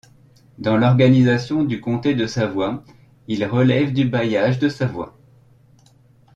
Dans l'organisation du comté de Savoie, il relève du bailliage de Savoie.